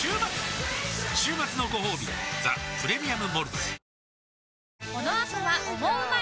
週末のごほうび「ザ・プレミアム・モルツ」